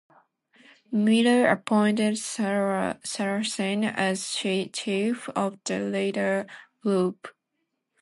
Miller appointed Saracen as chief of the latter group.